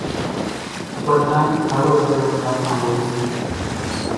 ٻڌانئين هڙو ۮڙو ٿاتان هوئيَ سي۔